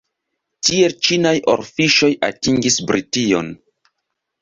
Tiel ĉinaj orfiŝoj atingis Brition.